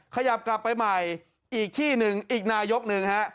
ขยับกลับไปใหม่อีกที่หนึ่งอีกนายกหนึ่งฮะ